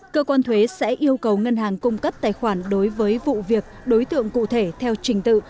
cơ quan thuế sẽ yêu cầu ngân hàng cung cấp tài khoản đối với vụ việc đối tượng cụ thể theo trình tự